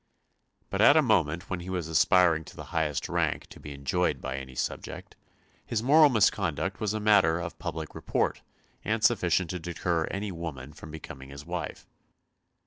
But at a moment when he was aspiring to the highest rank to be enjoyed by any subject, his moral misconduct was matter of public report and sufficient to deter any woman from becoming his wife.